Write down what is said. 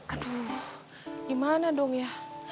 aduh gimana dong ya